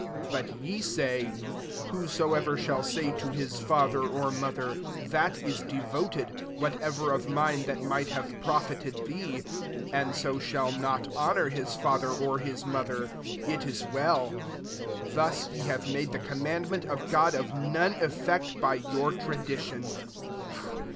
5 But ye say, 'Whosoever shall say to hh fa ther or mother, 7^/ ia devoted, whatever of mine that mi^t have^profited thee ; 6 fand] «o shalt^not honour his fether or his mother ; it ia v>ell^ Thus ye have made the command ment of God of none effect by your tradition.